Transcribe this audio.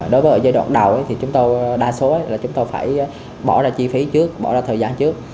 đối với giai đoạn đầu thì chúng tôi đa số là chúng tôi phải bỏ ra chi phí trước bỏ ra thời gian trước